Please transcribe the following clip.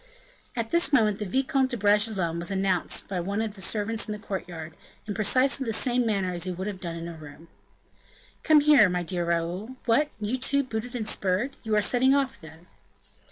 At this moment the Vicomte de Bragelonne was announced by one of the servants in the courtyard, in precisely the same manner as he would have done in a room. "Come here, my dear Raoul. What! you, too, booted and spurred? You are setting off, then?"